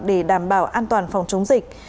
để đảm bảo an toàn phòng chống dịch